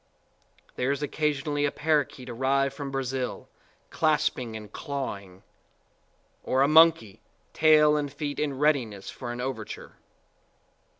There is occasionally a parrakeet arrived from Brazil, clasping and clawing; or a monkeytail and feet in readiness for an over ture.